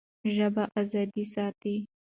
ژبه ازادي ساتي.